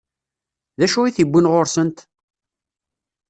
D acu i t-iwwin ɣur-sent?